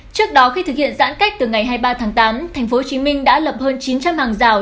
trước đó khi thực hiện giãn cách từ ngày hai mươi ba tháng tám thành phố hồ chí minh đã lập hơn chín trăm linh hàng rào